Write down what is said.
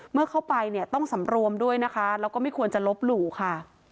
เมื่อเข้าไปเนี่ยต้องสำรวมด้วยนะคะแล้วก็ไม่ควรจะลบหลู่ค่ะ